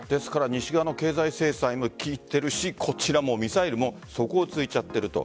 西側の経済制裁も効いているしこちらもミサイルも底をついちゃっていると。